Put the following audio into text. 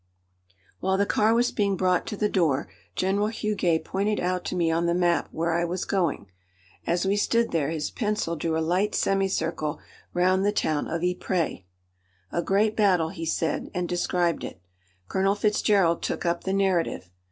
While the car was being brought to the door General Huguet pointed out to me on the map where I was going. As we stood there his pencil drew a light semicircle round the town of Ypres. "A great battle," he said, and described it. Colonel Fitzgerald took up the narrative.